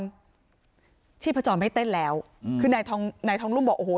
ชีพจรไม่เต้นแล้วอืมคือนายทองนายทองรุ่มบอกโอ้โห